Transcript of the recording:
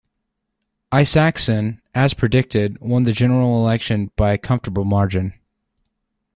Isakson, as predicted, won the general election by a comfortable margin.